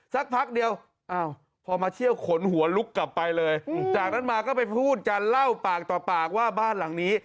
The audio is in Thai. สักพักเดียวพอมาเที่ยวขนหัวลุกกลับไปเลยจากนั้นมาก็ไปพูดกันเล่าปากต่อปากว่าบ้านหลังนี้